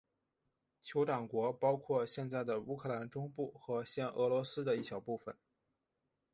酋长国包括现在的乌克兰中部和现俄罗斯的一小部分。